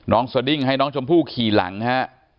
สดิ้งให้น้องชมพู่ขี่หลังฮะ